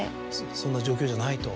そんな状況じゃないと？